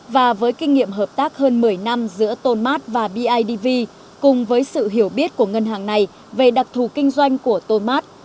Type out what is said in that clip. với kinh nghiệm hợp tác hơn một mươi năm giữa tôn mát và bidv cùng với sự hiểu biết của ngân hàng này về đặc thù kinh doanh của tôn mát